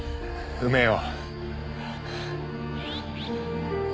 埋めよう。